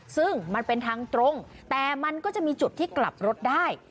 ซึ่งมันเป็นทางตรงแต่มันก็จะมีจุดที่กลับรถได้